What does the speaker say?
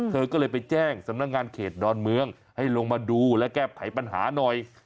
เธอก็เลยไปแจ้งสำนักงานเขตดอนเมืองให้ลงมาดูและแก้ไขปัญหาหน่อย